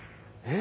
え？